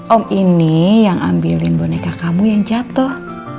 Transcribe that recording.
om ini yang ambilin boneka kamu yang jatuh